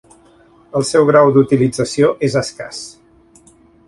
El seu grau d'utilització és escàs.